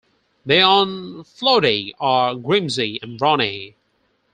Beyond Flodaigh are Grimsay and Ronay.